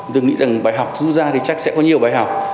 tôi nghĩ rằng bài học rút ra thì chắc sẽ có nhiều bài học